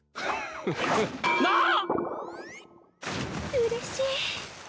うれしい。